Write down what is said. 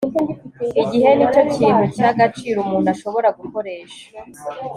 igihe ni cyo kintu cy'agaciro umuntu ashobora gukoresha